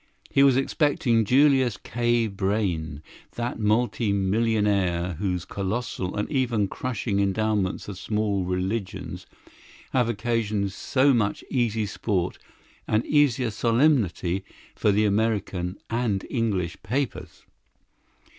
He was expecting Julius K. Brayne, that multi millionaire whose colossal and even crushing endowments of small religions have occasioned so much easy sport and easier solemnity for the American and English papers.